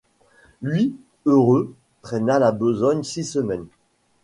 Lui, heureux, traîna la besogne six semaines.